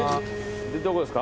でどこですか？